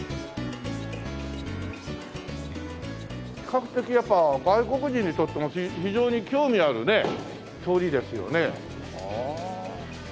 比較的やっぱり外国人にとっても非常に興味あるね通りですよね。